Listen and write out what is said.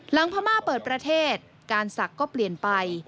พม่าเปิดประเทศการศักดิ์ก็เปลี่ยนไป